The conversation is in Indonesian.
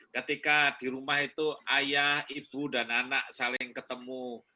ketika di rumah itu ayah ibu dan anak saling ketemu